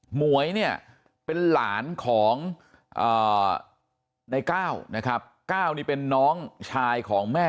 หมวยเนี่ยเป็นหลานของนายก้าวนะครับก้าวนี่เป็นน้องชายของแม่